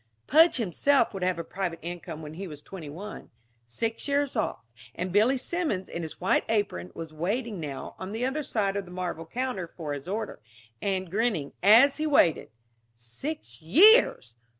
Pudge himself would have a private income when he was twenty one. Six years off... and Billy Simmons in his white apron, was waiting now, on the other side of the marble counter, for his order and grinning as he waited. Six years!